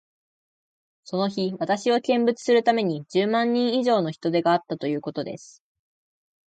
その日、私を見物するために、十万人以上の人出があったということです。